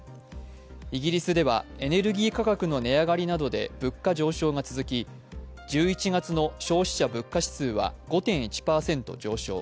イギリスではエネルギー価格の値上がりなどで物価上昇が続き、１１月の消費者物価指数は５．１％上昇